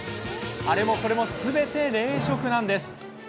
あれもこれもすべて冷食です。